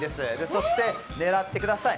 そして、狙ってください。